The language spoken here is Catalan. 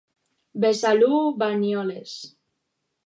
Besalú Banyoles.